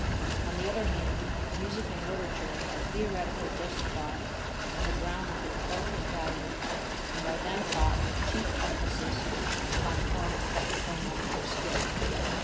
On the other hand, music and literature are theoretically justified on the ground of their culture value and are then taught with chief emphasis upon forming technical modes of skill.